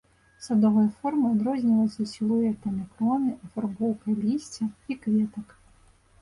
Садовыя формы адрозніваюцца сілуэтам кроны, афарбоўкай лісця і кветак.